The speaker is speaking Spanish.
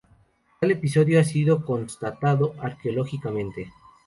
Tal episodio ha sido constatado arqueológicamente.